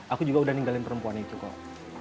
aku juga udah ninggalin perempuan itu kok